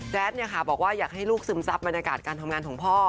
แจ๊ดเนี่ยค่ะบอกว่าอยากให้ลูกซึมซับบรรยากาศการทำงานของพ่อ